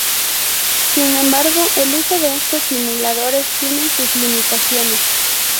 Sin embargo, el uso de estos simuladores tiene sus limitaciones.